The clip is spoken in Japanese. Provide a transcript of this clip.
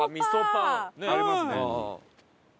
ありますね。